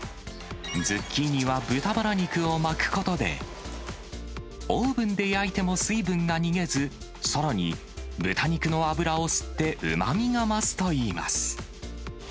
ズッキーニは豚バラ肉を巻くことで、オーブンで焼いても水分が逃げず、さらに豚肉の脂を吸ってうまみが増すといいます。